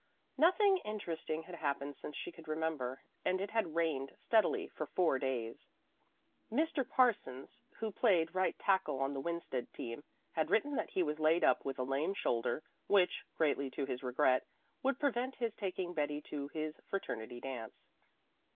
Nothing interesting had happened since she could remember, and it had rained steadily for four days. Mr. Parsons, who played right tackle on the Winsted team, had written that he was laid up with a lame shoulder, which, greatly to his regret, would prevent his taking Betty to his fraternity dance.